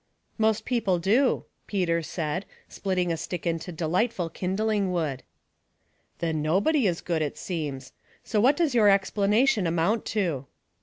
" Most people do," Peter said, splitting a stick into delicfhtful kindlins^ wood. ''Then nobody is good, it seems. So what does your explanation amount to